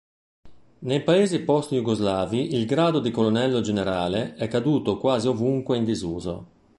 Nei paesi post-jugoslavi il grado di colonnello generale è caduto quasi ovunque in disuso.